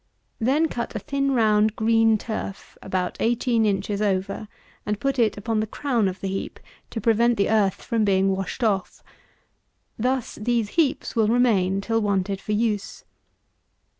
Then cut a thin round green turf, about eighteen inches over, and put it upon the crown of the heap to prevent the earth from being washed off. Thus these heaps will remain till wanted for use.